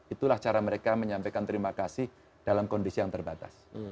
itulah cara mereka menyampaikan terima kasih dalam kondisi yang terbatas